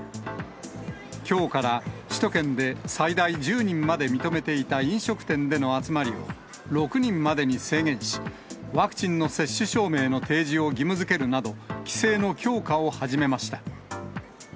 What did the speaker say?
きょうから首都圏で最大１０人まで認めていた飲食店での集まりを、６人までに制限し、ワクチンの接種証明の提示を義務づけるなど、規制の強化を始めました。